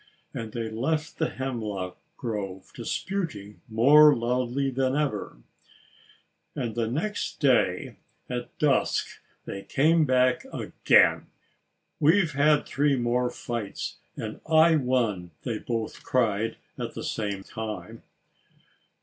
And they left the hemlock grove, disputing more loudly than ever. And the next day, at dusk, they came back again. "We've had three more fights; and I won!" they both cried at the same time.